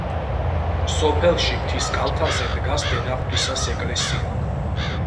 სოფელში მთის კალთაზე დგას დედაღვთისას ეკლესია.